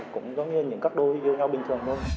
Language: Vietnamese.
cũng giống như những các đôi yêu nhau bình thường thôi